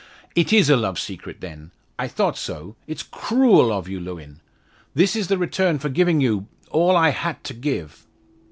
"It is a love secret, then? I thought so. It's cruel of you, Lewin! This is the return for giving you all I had to give!"